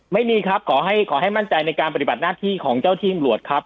ไม่มีครับขอให้มั่นใจในการปฏิบัติหน้าที่ของเจ้าที่อำรวจครับ